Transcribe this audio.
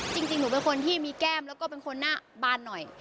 จริงหนูเป็นคนที่มีแก้มแล้วก็เป็นคนหน้าบานหน่อย